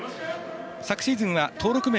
昨シーズンは登録名